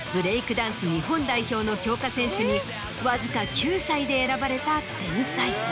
ダンス日本代表の強化選手にわずか９歳で選ばれた天才。